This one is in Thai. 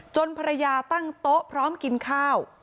ภรรยาตั้งโต๊ะพร้อมกินข้าว